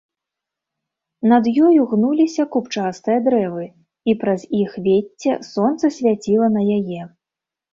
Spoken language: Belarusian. Над ёю гнуліся купчастыя дрэвы, і праз іх вецце сонца свяціла на яе.